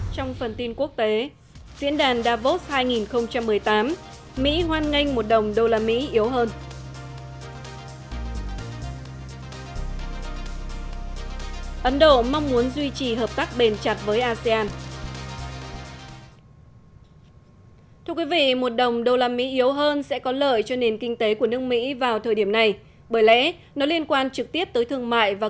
trong phần tin quốc tế diễn đàn davos hai nghìn một mươi tám mỹ hoan nganh một đồng đô la mỹ yếu hơn